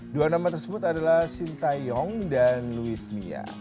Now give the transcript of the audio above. dua nama tersebut adalah sintayong dan luismia